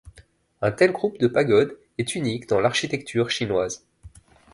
Un tel groupe de pagodes est unique dans l'architecture chinoise.